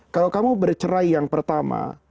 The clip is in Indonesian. kalau kamu bercerai yang pertama